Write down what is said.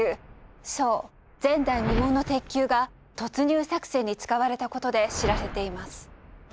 そう前代未聞の鉄球が突入作戦に使われた事で知られています。